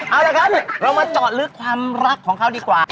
เอาละครับเรามาเจาะลึกความรักของเขาดีกว่า